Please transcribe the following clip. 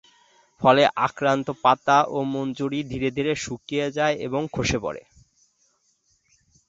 ফলে আক্রান্ত পাতা ও মঞ্জরি ধীরে ধীরে শুকিয়ে যায় ও খসে পড়ে।